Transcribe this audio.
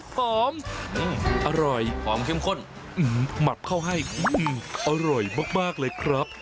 หอมอร่อยหอมเข้มข้นหมับเข้าให้อร่อยมากเลยครับ